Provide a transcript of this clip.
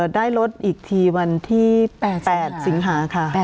ได้ลดอีกทีวันที่๘สิงหาค่ะ